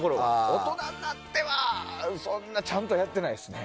大人になってはちゃんとやってないですね。